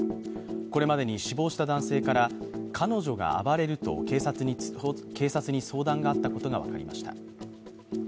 これまでに死亡した男性から彼女が暴れると警察に相談があったことが分かりました。